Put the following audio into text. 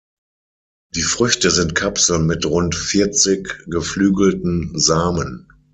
Die Früchte sind Kapseln mit rund vierzig geflügelten Samen.